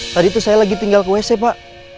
tadi tuh saya lagi tinggal ke wc pak